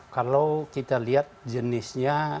kalau kita lihat jenisnya